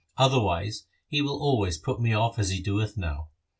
Otherwise, he will always put me off as he doeth now.'